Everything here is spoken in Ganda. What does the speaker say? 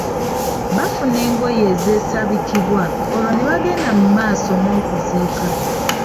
Bafuna engoye ezeesabikibwa olwo ne bagenda mu maaso n’okuziika.